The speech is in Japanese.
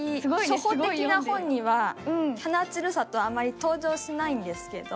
初歩的な本には花散里はあまり登場しないんですけど。